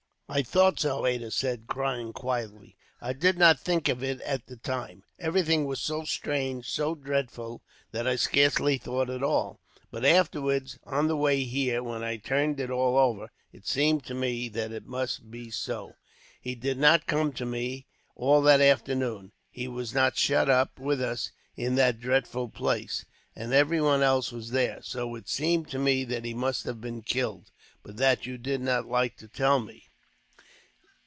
"I thought so," Ada said, crying quietly. "I did not think of it at the time. Everything was so strange, and so dreadful, that I scarcely thought at all. But afterwards, on the way here, when I turned it all over, it seemed to me that it must be so. He did not come to me, all that afternoon. He was not shut up with us in that dreadful place, and everyone else was there. So it seemed to me that he must have been killed, but that you did not like to tell me."